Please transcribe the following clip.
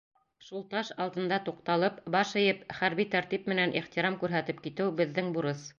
Шул таш алдында туҡталып, баш эйеп, хәрби тәртип менән ихтирам күрһәтеп китеү — беҙҙең бурыс.